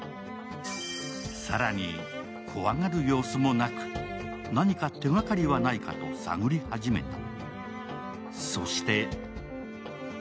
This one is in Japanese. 更に、怖がる様子もなく何か手がかりはないかと探り始めた。